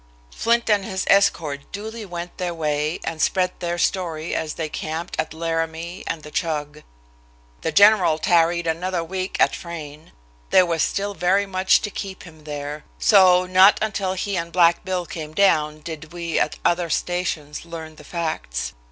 Flint and his escort duly went their way, and spread their story as they camped at Laramie and "the Chug." The general tarried another week at Frayne. There was still very much to keep him there; so, not until he and "Black Bill" came down did we at other stations learn the facts.